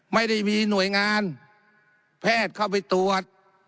ไม่ได้มีหน่วยงานแพทย์เข้าไปตรวจ